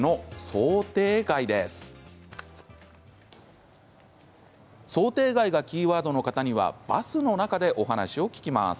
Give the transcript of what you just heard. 想定外がキーワードの方にはバスの中でお話を聞きます。